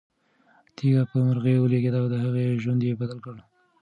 تیږه په مرغۍ ولګېده او د هغې ژوند یې بدل کړ.